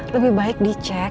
lebih baik dicek